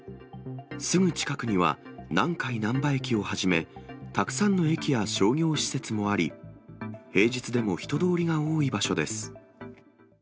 すぐ近くには南海なんば駅をはじめ、たくさんの駅や商業施設もあり、平日でも人通りが多い場所です。